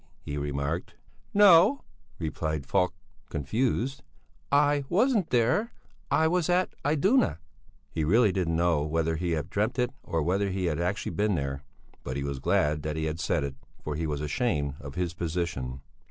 he remarked. "No," replied Falk, confused; "I wasn't there, I was at Iduna." He really did not know whether he had dreamt it or whether he had actually been there; but he was glad that he had said it, for he was ashamed of his position.